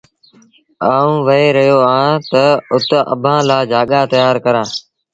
آئوٚنٚ وهي رهيو اهآنٚ تا اُت اڀآنٚ لآ جآڳآ تيآر ڪرآݩٚ۔